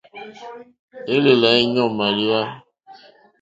Élèlà éɲɔ̂ màléwá.